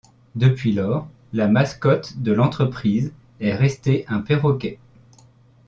Depuis lors, la mascotte de l’entreprise est restée un perroquet.